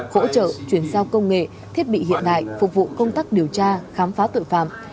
hỗ trợ chuyển giao công nghệ thiết bị hiện đại phục vụ công tác điều tra khám phá tội phạm